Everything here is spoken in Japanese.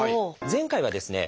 前回はですね